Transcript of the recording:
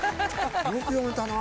よく読めたな。